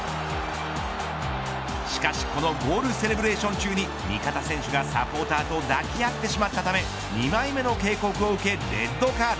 しかし、このゴールセレブレーション中に味方選手がサポーターと抱き合ってしまったため２枚目の警告を受けレッドカード。